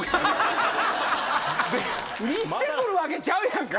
見してくるわけちゃうやんか。